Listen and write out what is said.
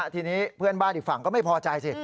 ทีนี้เพื่อนบ้านอีกฝั่งก็ไม่พอใจสิ